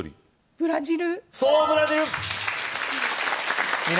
ブラジル